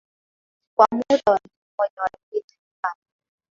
Kwa muda wa wiki moja walipita nyumba.